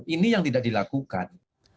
ini yang tidak dilakukan